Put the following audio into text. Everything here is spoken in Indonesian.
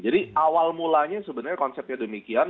jadi awal mulanya sebenarnya konsepnya demikian